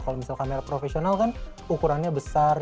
kalau misalnya kamera profesional kan ukurannya besar